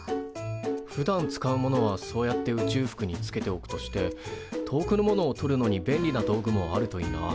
ふだん使うものはそうやって宇宙服につけておくとして遠くのものを取るのに便利な道具もあるといいな。